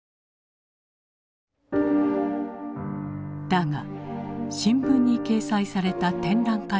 だが新聞に掲載された展覧会